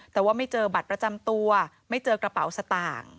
แต่ว่าไม่เจอบัตรประจำตัวไม่เจอกระเป๋าสตางค์